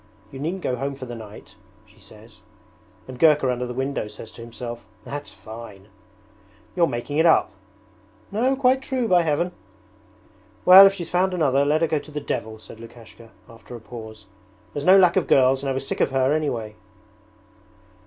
You needn't go home for the night," she says. And Gurka under the window says to himself, "That's fine!"' 'You're making it up.' 'No, quite true, by Heaven!' 'Well, if she's found another let her go to the devil,' said Lukashka, after a pause. 'There's no lack of girls and I was sick of her anyway.'